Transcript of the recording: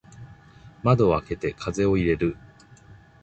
窓を開けて風を入れる。